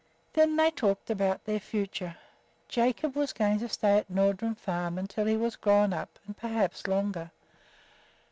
Then they talked about their future. Jacob was going to stay at Nordrum Farm until he was grown up, and perhaps longer.